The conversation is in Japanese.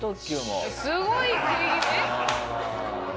すごい食い気味えっ？